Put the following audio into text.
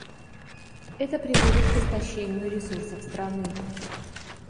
Это приводит к истощению ресурсов страны.